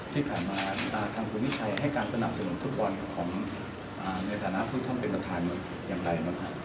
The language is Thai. ที่ผ่านมาทางคุณวิชัยให้การสนับสนุนฟุตบอลของในฐานะที่ท่านเป็นประธานอย่างไรบ้างครับ